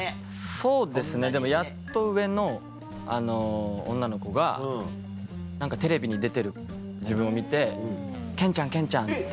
そうですねでもやっと上の女の子が何かテレビに出てる自分を見て「賢ちゃん賢ちゃん」って。